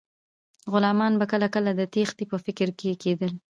غلامان به کله کله د تیښتې په فکر کې کیدل.